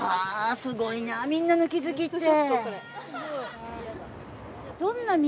すごいなみんなの気づきって。